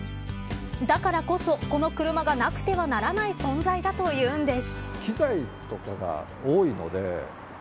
だからこそ、この車がなくてはならない存在だというんです。